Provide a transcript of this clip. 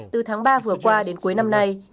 từ tháng ba vừa qua đến cuối năm nay